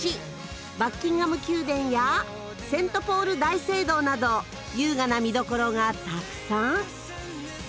バッキンガム宮殿やセントポール大聖堂など優雅な見どころがたくさん！